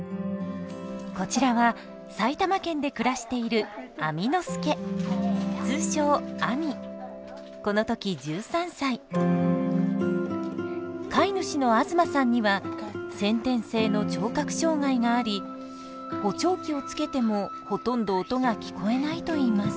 こちらは埼玉県で暮らしている飼い主の東さんには先天性の聴覚障害があり補聴器をつけてもほとんど音が聞こえないといいます。